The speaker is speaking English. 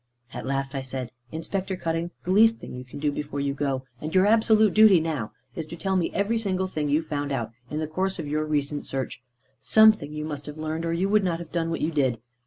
At last I said "Inspector Cutting, the least thing you can do before you go, and your absolute duty now, is to tell me every single thing you found out, in the course of your recent search. Something you must have learned, or you would not have done what you did.